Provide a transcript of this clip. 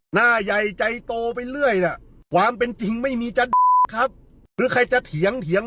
หน้าใหญ่ใจโตไปเรื่อยน่ะความเป็นจริงไม่มีจะครับหรือใครจะเถียงเถียง